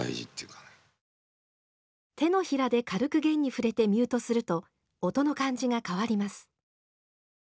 手のひらで軽く弦に触れてミュートすると音の感じが変わります。